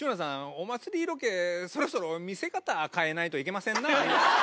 お祭りロケそろそろ見せ方変えないといけませんな」。